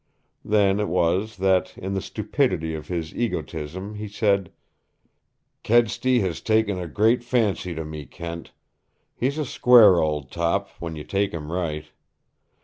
Then it was that in the stupidity of his egotism he said: "Kedsty has taken a great fancy to me, Kent. He's a square old top, when you take him right.